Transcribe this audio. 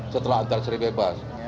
setelah antar seribetan ini berlalu